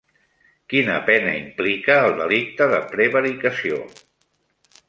Quina pena implica el delicte de prevaricació?